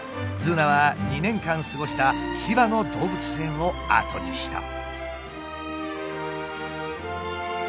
ズーナは２年間過ごした千葉の動物園を後にした。